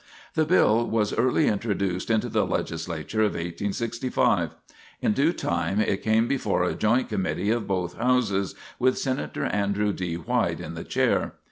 The bill was early introduced into the Legislature of 1865. In due time it came before a joint committee of both houses, with Senator Andrew D. White in the chair.